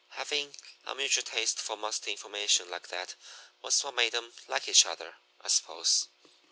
Having a mutual taste for musty information like that was what made 'em like each other, I suppose.